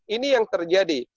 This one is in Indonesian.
ini yang terjadi